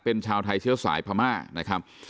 เป็นชาวไทยเชื้อสายพม่านะครับ